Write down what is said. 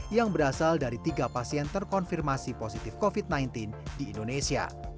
yang berasal dari tiga pasien terkonfirmasi positif covid sembilan belas di indonesia